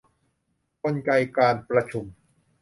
กลไกการประชุม